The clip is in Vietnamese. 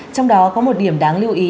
trong đó có một điểm đáng lưu ý